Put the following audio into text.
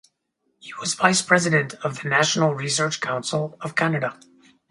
He was Vice-President of the National Research Council of Canada.